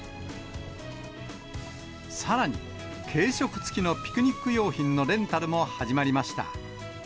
さらに、軽食付きのピクニック用品のレンタルも始まりました。